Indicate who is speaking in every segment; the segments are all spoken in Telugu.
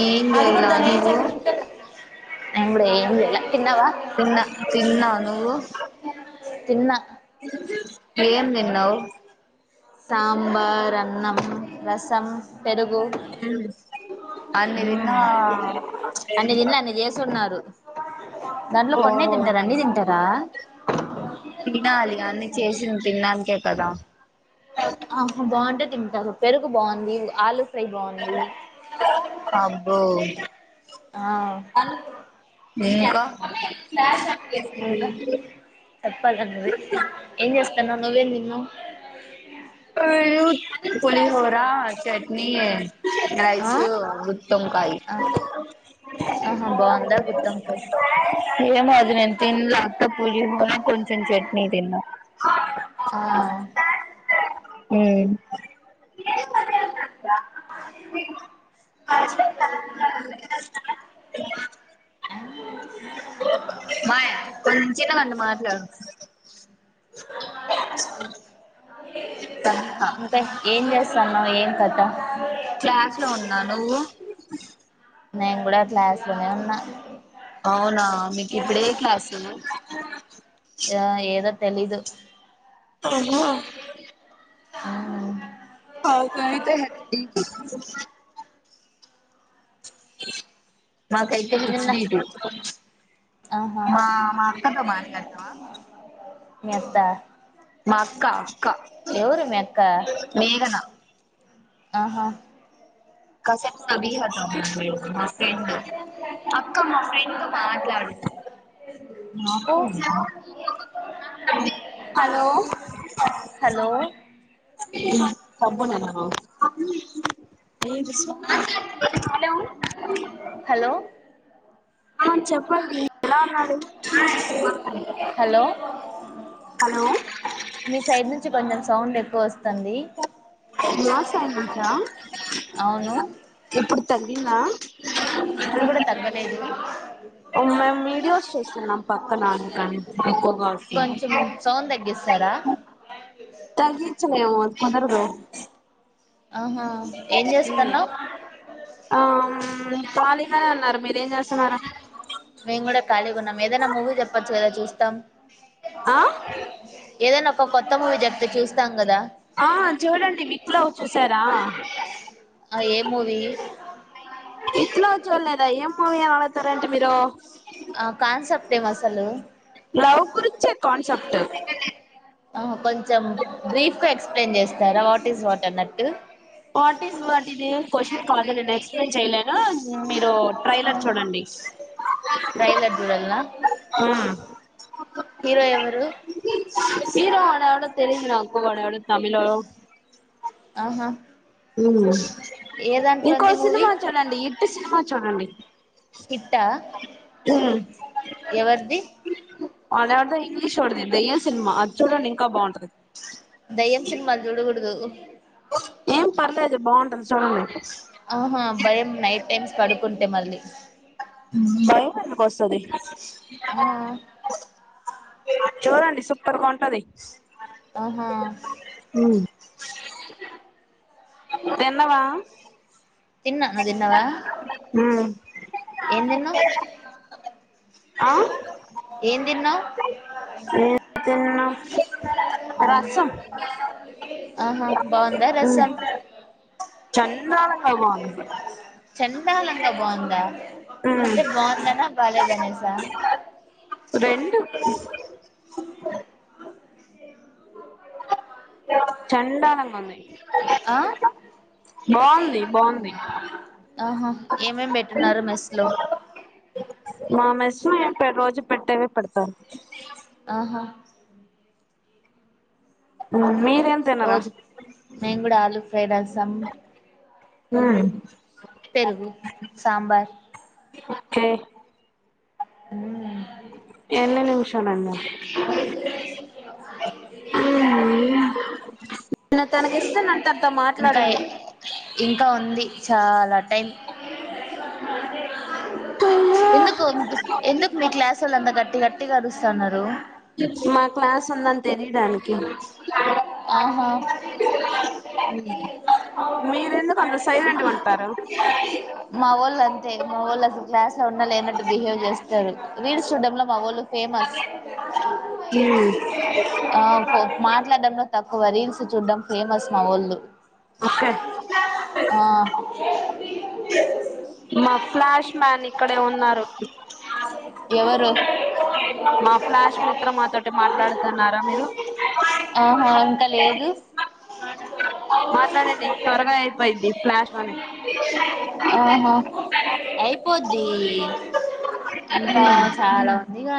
Speaker 1: ఏం చేయలా నువ్వు
Speaker 2: ఏమ్ చేయాల తిన్నావా
Speaker 1: తిన్న నువ్వు
Speaker 2: తిన్నా
Speaker 1: ఏం తిన్నావు
Speaker 2: సాంబార్ అన్నం రసం పెరుగు
Speaker 1: అన్ని
Speaker 2: మ్మ్.
Speaker 1: తిన్నా
Speaker 2: అన్ని తిన్నా అన్ని [inaudible] దాంట్లో కొన్నే తింటారు అన్ని తింటారా
Speaker 1: తినాలిగా అన్ని చేసినావి తినాలి ఓకేకదా
Speaker 2: ఆహ్ బాగుంటే తింటా పెరుగు బాగుంది ఆలు ఫ్రె బాగుంది
Speaker 1: అబ్బో
Speaker 2: ఆ
Speaker 1: అలికేల్
Speaker 2: ఇంకా చెప్పల్ల నువ్వే ఏం చేస్తు నువ్వు ఏం తిన్నావు
Speaker 1: పులిహోర చట్నీ
Speaker 2: ఆ?
Speaker 1: రైసు గుత్తి వంకాయి
Speaker 2: ఆ, ఆహా బాగుందా గుత్తివంకాయి
Speaker 1: ఏమో అది నేను తిన్లే అత్త పూజికి [unintelligible] కొంచెం చట్నీ తిన్నా
Speaker 2: ఆ
Speaker 1: మ్మ్ [inaudible] [unintelligible] ఏస్తామ
Speaker 2: అవును కదా
Speaker 1: మామయ్య కొంచెంసేపు అట్లా మాట్లాడు
Speaker 2: [inaudible] ఇంకా ఏం చేస్తాన్నావ్ ఏం కథ
Speaker 1: క్లాస్ లో ఉన్నా నువ్వు
Speaker 2: నేను కూడా కాస్ లోనే ఉన్నా
Speaker 1: అవునా మీకు ఇప్పుడు ఏ క్లాసు
Speaker 2: యా ఏదో తెలీదు
Speaker 1: అవునా
Speaker 2: అవును
Speaker 1: హల్ కి అయితే నాకైతే వచ్చుడీటు
Speaker 2: ఆ మా మీ అత్త
Speaker 1: మా అక్క అక్క
Speaker 2: ఎవరు మీ అక్క
Speaker 1: మేఘన
Speaker 2: ఆహా
Speaker 1: కన్స్బహ మా ఫ్రెండ్ అక్క మా ఫ్రెండ్ మాట్లాడు నా
Speaker 2: ఓ
Speaker 1: పో హలో
Speaker 2: హలో
Speaker 1: సబన ఏ హలో
Speaker 2: హలో
Speaker 1: ఆ చెప్పం ఎలా ఉన్నాడు
Speaker 2: హలో
Speaker 1: హలో
Speaker 2: మీ సైడ్ నుంచి కొంచెం సౌండ్ ఎ
Speaker 1: న్సజ
Speaker 2: అవును
Speaker 1: ఎప్పుడు తలిన
Speaker 2: ఇప్పుడు కూడా తగగలేదు
Speaker 1: మేము వీడియోస్ చూస్తున్నాం పక్క నాన్న కానీ ఎక్కువగా వస్తుంది
Speaker 2: సార
Speaker 1: తగించలేమ కొందరుగా
Speaker 2: ఆహా ఏం చేస్తున్నావ్
Speaker 1: ఆ కాాల ఉన్నారు మీరేం చేస్తున్నారుా
Speaker 2: మేము కూడా ఖాళీగా ఉన్నాం ఏదైనా మూవీ చెప్పచ్చు కదా చూస్తాం
Speaker 1: ఆ
Speaker 2: ఏదైనా ఒక కొత్త మూవీ చెప్తే చూస్తాం కదా
Speaker 1: ఆ చూడండి విత్రలావు్ చూసారా
Speaker 2: ఆ ఏ మూవీ
Speaker 1: ఇట్లా చూడలేదా ఏం పోూమి ఏ అలాతారంటే మీరు
Speaker 2: ఆ కన్ సప్తే మసలు
Speaker 1: లవ్ గురించే కాన్సెప్ట్
Speaker 2: ఆ కొంచెం బ్రీఫ్గా ఎక్ ఎప్లెయిన్ చేస్తారా వాట్ ఈస్ వాటర్ అన్నట్టు
Speaker 1: వాట్ ఇస్ వాట్ ఇది క్వశ్చన్ కాదు నేను ఎక్స్ప్లెయిన్ చెయలేను మీరు ట్రైలర్ చూడండి
Speaker 2: ట్రైలర్ చూడాలనా హీరో ఎవరు
Speaker 1: డ ఎడ తమిళడ
Speaker 2: ఆహా ఏ దాంట్లో
Speaker 1: ఇంకో
Speaker 2: ఉంది మూవీ
Speaker 1: సినిమా చూడండి ఇటు సినిమా చూడండి
Speaker 2: ఇట్టా ఎవరిది
Speaker 1: అద ఆడద ఇంగ్లీష్ ఆడది దయ్యం సినిమా అది చూడండి ఇంకా బాగుంటది
Speaker 2: దయ్యం సినిమాలు చూడకూడదు
Speaker 1: ఏం పర్లేదుదు బాగుంటుంది చూడండి
Speaker 2: ఆహా భయం నైట్ టైమ్స్ పడుకుంటే మళ్ళీ
Speaker 1: బయ వస్తుంది
Speaker 2: ఆ
Speaker 1: చూడండి సూపర్గా ఉంటది
Speaker 2: ఆహా
Speaker 1: తెన్నవా
Speaker 2: తిన్నా
Speaker 1: హ
Speaker 2: ఏ తన్నా
Speaker 1: ఆ
Speaker 2: ఏ తన్నా అ
Speaker 1: ఏం తిన్నావ్ రసం
Speaker 2: ఆ ఆహా బాగుందా రసం
Speaker 1: చెన్న అంగామా
Speaker 2: ధాలంగా బాగుందా అంటే బాగుందనా బాలేదనేసా
Speaker 1: రెం చండదంగాన్నయి
Speaker 2: ఆ
Speaker 1: బాగుంది
Speaker 2: ఆహా ఏమేం పెట్టిన్నారు మెస్ లో?
Speaker 1: మా మెస్ లో ఏం రోజు పెట్టేవె పెడతారు.
Speaker 2: ఆహా
Speaker 1: ఆ మీ
Speaker 2: రోజు, మేము కూడ ఆలుూ ఫ్రై, రసం.
Speaker 1: ఆ
Speaker 2: పెరుగు, సాంబార్.
Speaker 1: ఓకె.
Speaker 2: మ్
Speaker 1: ఎన్ని నిమిషాలండి?
Speaker 2: అ
Speaker 1: నేను తనకి ఇస్తున్నా. తనతో మాట్లాడండి.
Speaker 2: చాల టైం. ఎందుకు, ఎందుకు మీ క్లాసోళ్ళు అంత గట్టి గట్టిగా అరుస్తన్నారు?
Speaker 1: మా క్లాస్ ఉందని తెలీడానికి.
Speaker 2: ఆహా
Speaker 1: మీరెందుకు అంత సైలెంట్ గా ఉంటారు
Speaker 2: మావోళ్ళు అంతే మావోళ్ళు అసలు క్లాస్ లో ఉన్నా, లేనట్టు బిహేవ్ చేస్త. తారు. రీల్స్ చూడ్డంలో మావోళ్ళు, ఫేమస్.
Speaker 1: మ్మ్
Speaker 2: మాట్లాడంలో తక్కువ. రీల్స్ చూడ్డం ఫేమస్ మావోళ్ళు.
Speaker 1: ఓకే
Speaker 2: ఆ
Speaker 1: మా ఫ్లాష్ మ్యాన్ ఇక్కడే ఉన్నారు.
Speaker 2: ఎవరు?
Speaker 1: మా ఫ్లాష్ మిత్రమ తోటి మాట్లాడుతున్నారా మీరు?
Speaker 2: అంత లేదు.
Speaker 1: మాట్లాడండి. త్వరగా అయిపోయిద్ది ఫ్లాష్ మ
Speaker 2: పోద్ది. ఇంకా చాల ఉంది గా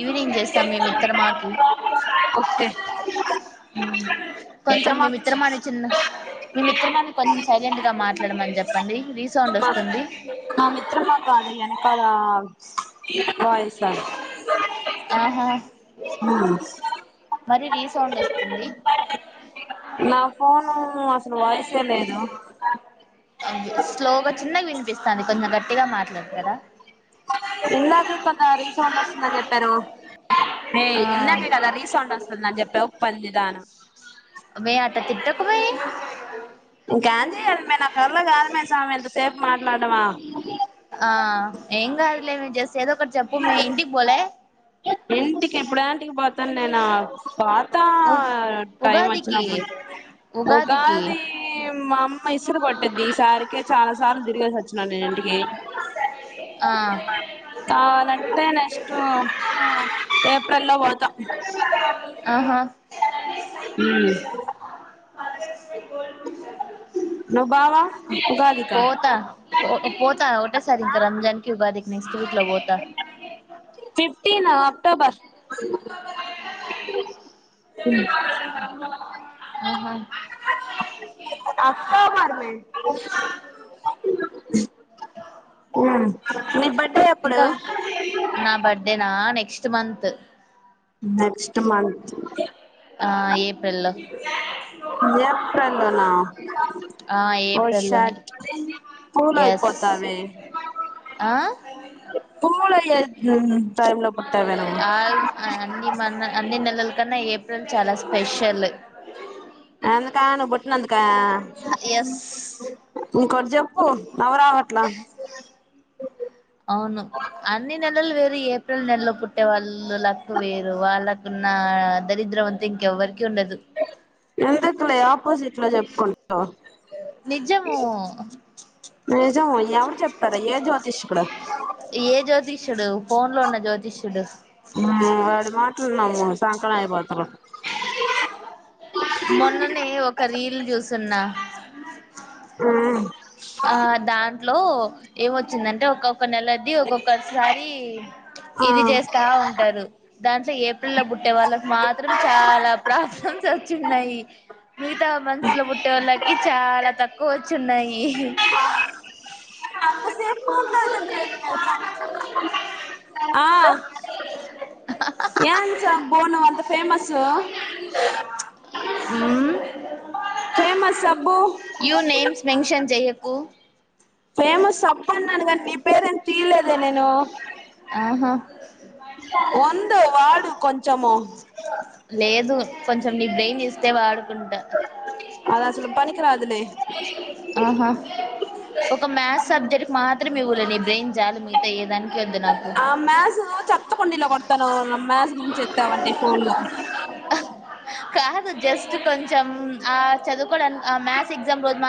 Speaker 2: ఈవినింగ్ చేస్తా మీ ఇత్రమాకి.
Speaker 1: ఓకే
Speaker 2: మ్. కొంచెం మీ
Speaker 1: మిత్రమాకు ఇచ్చి
Speaker 2: మిత్రమాని చిన్న, మీ మిత్రమాని కొన్చ్ సైలెంట్ గా మాట్లాడమని చెప్పండి. రీసౌండ్ వస్తుంది
Speaker 1: మా మిత్రమా కాదు. ఎనకాల, వాయిస్ అది.
Speaker 2: ఆహా
Speaker 1: మ్
Speaker 2: మరి రీసౌండ్ వస్తుంది.
Speaker 1: నా ఫోను అసలు వాయిసే లేదు.
Speaker 2: అది స్లోగ చిన్నగా వినిపిస్తాంది, కొంచెం గట్టిగా మాట్లాడతారా?
Speaker 1: ఇందాకే కదా రీ సౌండ్ వస్తుందని చెప్పారు? ఏయ్,
Speaker 2: ఆ
Speaker 1: ఇందాకే కద రీసౌండ్ వస్తుందని చెప్పావు పందిదాన.
Speaker 2: ఒమే అట్ట తిట్టకు మే.
Speaker 1: ఇంకేం మాట్లాడవా
Speaker 2: ఆ ఏం గాదులే మే. జస్ట్ ఏదో ఒకటి చెప్పు మే ఇంటికి పోలే?
Speaker 1: ఇంటికి ఇప్పుడేంటికి పోతాన్ నేను? పా
Speaker 2: ఉ
Speaker 1: టైమ్
Speaker 2: ఉగాదికి
Speaker 1: వచ్చినప్పుడు.
Speaker 2: ఉగాదికి
Speaker 1: ఉగాది మా అమ్మ ఇసిరి కొట్టిద్ది. ఈసారికే చాల, సార్లు తిరిగేసి వచ్చిన నేను ఇంటికి.
Speaker 2: ఆ
Speaker 1: అవునంటే నెక్స్ట్, ఏప్రిల్ లో పోతా.
Speaker 2: ఆహా
Speaker 1: ఉమ్ నువ్వు బావా ఉగాదికా
Speaker 2: పోతా పోతా ఓ టే సరిగ్గా రంజానికి ఉగాదికి నెక్స్ట్ వీక్ల పోతా
Speaker 1: ఫిఫ్టీన్ అక్టోబర్ అ
Speaker 2: ఆహా
Speaker 1: అక్టోబర్ మే మ్ నీబట్
Speaker 2: ఇంకా నా బర్డేనా నెక్స్ట్ మంత్
Speaker 1: నెక్స్ట్ మంత్
Speaker 2: ఆ ఏప్రిల్ లో
Speaker 1: ఏప్రిల్ లోనా
Speaker 2: ఆ
Speaker 1: ఓ
Speaker 2: ఏప్రిల్లోనే
Speaker 1: షట్ ఫూల్
Speaker 2: ఎస్
Speaker 1: అయిపోతాది
Speaker 2: ఆ
Speaker 1: టైమ్ లో పుట్టావే నువ్వు
Speaker 2: ఆ అన్నీ మన అన్నీ నెలల్ కన్నా ఏప్రిల్ చాలా స్పెషల్
Speaker 1: ఎందుకా నువ్వు బుట్టినందుకా
Speaker 2: ఎస్
Speaker 1: నికోటి జప్పు నవ్వ్ రావట్లా
Speaker 2: అవును అన్ని నెల్ లాల్ వేరు ఏప్రిల్ నెలలో పుట్టే వాళ్ళు లక్కు వేరు వాళ్ళకున్న దరిద్రం అంత ఇంకెవర్
Speaker 1: ఎందుకులే ఆపోజిట్ లో చెప్పుకుం
Speaker 2: నిజము
Speaker 1: నిజము ఎవరు చెప్పరా ఏ జ్యోతిష్ కూడు
Speaker 2: ఏ జ్యోతిష్యుడు ఫోన్ లో ఉన్న జ్యోతిష్యుడు
Speaker 1: మ్ వాడి మాటలు నమ్ము సంకనాకి పొతర్రు
Speaker 2: మొన్ననే ఒక రీల్ చూసున్నా
Speaker 1: ఆ
Speaker 2: ఆ దాంట్లో ఏమొచ్చిందంటే ఒక్కొక్క నెలది ఒక్కొక్కసారి ఇది చేస్తా ఉంటారు దాంట్లో ఏప్రిల్ లో పుట్టే వాళ్ళకు మాత్రం చాలా ప్రాబ్లమ్స్ వచ్చి ఉన్నాయి మిగతా మంత్స్లో పుట్టే వాళ్ళకి చాలా తక్కువ వచ్చున్నాయి
Speaker 1: అంత సేపు మాట్లా ఆ ఏం చెప్ బోను నువ్వు అంత ఫేమస్
Speaker 2: మ్
Speaker 1: ఫేమస్ సబ్బు
Speaker 2: యూ నేమ్స్ మెన్షన్ చెయ్య కూ
Speaker 1: ఫేమస్ సప్ప అన్నాను కానీ నీ పేరేం తీయలేదే నేను
Speaker 2: ఆహా
Speaker 1: వందు వాడు కొంచెము
Speaker 2: లేదు కొంచెం నీ బ్రెయిన్ ఇస్తే వాడుకుంటా
Speaker 1: ఆది అసలు పనికరాదులే
Speaker 2: ఆహా ఒక మ్యాథ్స్ సబ్జెక్ట్కి మాత్రం ఇవ్వులే నీ బ్రెయిన్ జాలు మిగతా ఏ దానికి వద్దు నాకు
Speaker 1: ఆ మ్యాథ్స్ చెత్తకుండీలో కొడతాను ఆ మ్యాథ్ గురించి ఎత్తావంటే ఫోన్ లో
Speaker 2: కాదు జస్ట్ కొంచం ఆ చదువుకోవడానికి ఆ మ్యాథ్స్ ఎగ్జామ్ రోజు మా